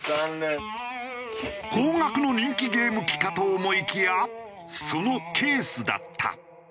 高額の人気ゲーム機かと思いきやそのケースだった。